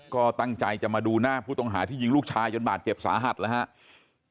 ก็ตั้งใจจะมาดูหน้าผู้ต้องหาที่ยิงลูกชายจนบาดเจ็บสาหัสแล้วครับ